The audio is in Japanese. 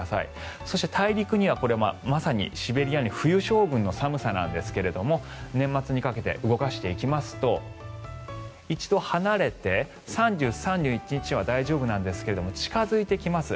そして、大陸にはまさにシベリアに冬将軍の寒さなんですが年末にかけて動かしていきますと一度、離れて３０、３１日は大丈夫なんですが近付いてきます。